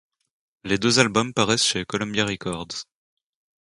Les deux albums paraissent chez Columbia Records.